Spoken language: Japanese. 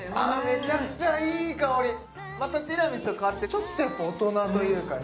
めちゃくちゃいい香りまたティラミスと変わってちょっとやっぱ大人というかね